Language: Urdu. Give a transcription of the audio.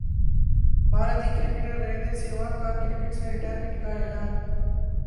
بھارتی کرکٹر وریندر سہواگ کا کرکٹ سے ریٹائرمنٹ کا اعلان